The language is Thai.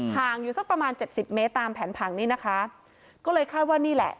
ห่างอยู่สักประมาณเจ็ดสิบเมตรตามแผนผังนี่นะคะก็เลยคาดว่านี่แหละ